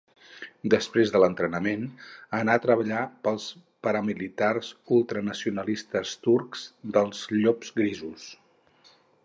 Després de l'entrenament, anà a treballar pels paramilitars ultranacionalistes turcs dels Llops Grisos.